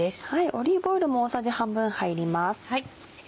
オリーブオイルも大さじ半分入ります。